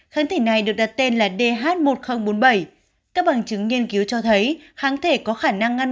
kháng thể này được đặt tên là dh một nghìn bốn mươi bảy các bằng chứng nghiên cứu cho thấy kháng thể có khả năng ngăn